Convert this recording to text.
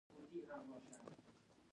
موږ هم عجبه خلک يو.